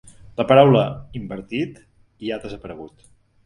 La paraula ‘invertit’ hi ha desaparegut.